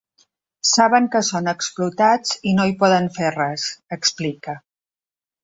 Saben que són explotats i no hi poden fer res, explica.